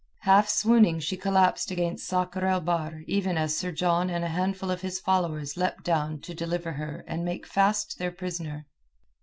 Half swooning she collapsed against Sakr el Bahr even as Sir John and a handful of his followers leapt down to deliver her and make fast their prisoner.